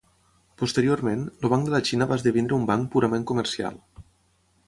Posteriorment, el Banc de la Xina va esdevenir un banc purament comercial.